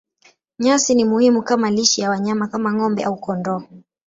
Nyasi ni muhimu kama lishe ya wanyama kama ng'ombe au kondoo.